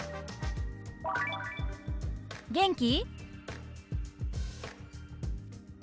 「元気？」。